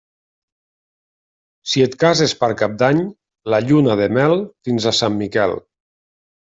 Si et cases per Cap d'Any, la lluna de mel fins a Sant Miquel.